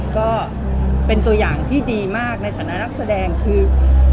ก็เป็นตัวอย่างที่ดีมากในฐานะนักแสดงคือ